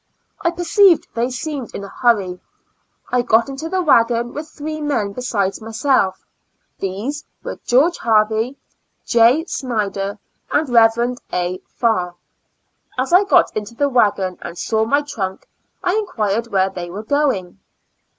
I perceived they seemed in a hurry ; I got into the wagon with three men be sides myself; these were George Harvey, J. Snyder and Rev. A. Farr. As I got into the wagon and saw my trunk, I enquired where they were going.